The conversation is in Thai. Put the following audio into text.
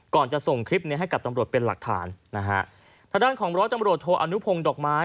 จะส่งคลิปนี้ให้กับตำรวจเป็นหลักฐานนะฮะทางด้านของร้อยตำรวจโทอนุพงศ์ดอกไม้